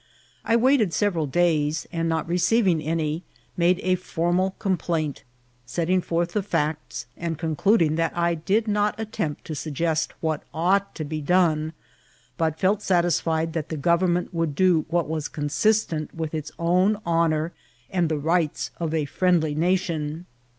I waited several days, and, not receiving any, made a formal complaint, setting forth the &cts, and concluding that I did not attempt to suggest what ought to be done, but felt satisfied that the government would do what was consistent with its ovm honour and the rights of a friendly nation.